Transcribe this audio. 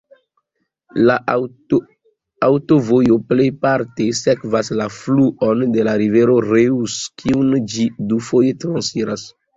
La aŭtovojo plejparte sekvas la fluon de la rivero Reuss, kiun ĝi dufoje transiras.